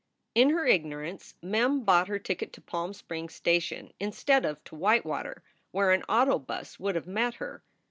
In her ignorance Mem bought her ticket to Palm Springs station, instead of to Whitewater, where an auto bus would have met her.